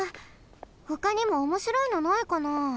ほかにもおもしろいのないかな？